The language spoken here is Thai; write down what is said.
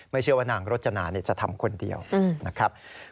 เชื่อว่านางรจนาจะทำคนเดียวนะครับ